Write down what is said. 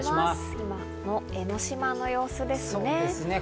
今の江の島の様子ですね。